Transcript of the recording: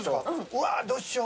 うわどうしよ。